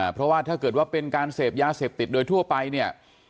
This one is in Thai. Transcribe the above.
เพราะว่าถ้าเกิดว่าเป็นการเสพยาเสพติดโดยทั่วไปเนี่ย